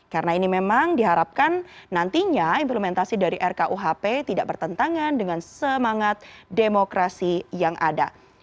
karena ini memang diharapkan nantinya implementasi dari rkuhp tidak bertentangan dengan semangat demokrasi yang ada